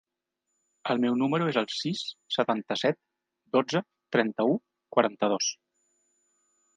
El meu número es el sis, setanta-set, dotze, trenta-u, quaranta-dos.